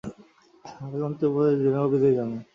তাকে অন্তিম উপদেশ দিলেন ও বিদায় জানালেন।